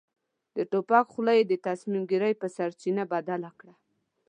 د توپک خوله يې د تصميم ګيرۍ په سرچينه بدله کړه.